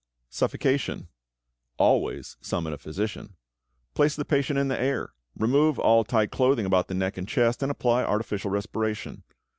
=Suffocation.= Always summon a physician. Place the patient in the air, remove all tight clothing about the neck and chest, and apply artificial respiration.